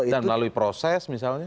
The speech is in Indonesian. dan melalui proses misalnya